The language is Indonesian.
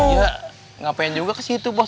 kita ngapain juga ke situ bos